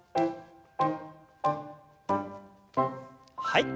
はい。